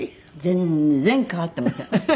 全然変わっていません。